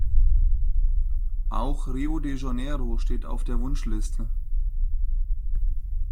Auch Rio de Janeiro steht auf der Wunschliste.